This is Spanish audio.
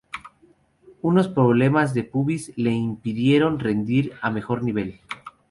Unos problemas de pubis le impidieron rendir a mejor nivel.